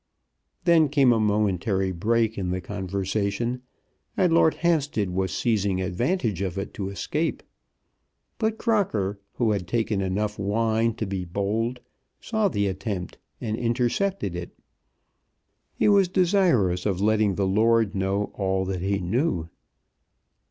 Then came a momentary break in the conversation, and Lord Hampstead was seizing advantage of it to escape. But Crocker, who had taken enough wine to be bold, saw the attempt, and intercepted it. He was desirous of letting the lord know all that he knew.